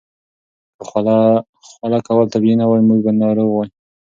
که خوله کول طبیعي نه وای، موږ به ناروغ وای.